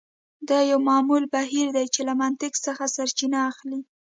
دا یو معمول بهیر دی چې له منطق څخه سرچینه اخلي